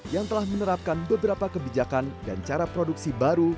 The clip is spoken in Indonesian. yang telah menerapkan beberapa kebijakan dan cara produksi baru